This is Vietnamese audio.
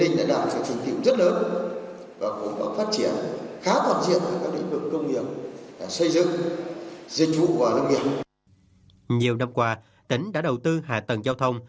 nhiều năm qua tỉnh đã đầu tư hạ tầng giao thông